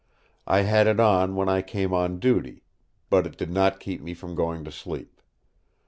I had it on when I came on duty; but it did not keep me from going to sleep.